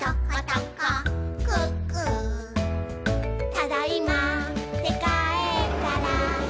「ただいまーってかえったら」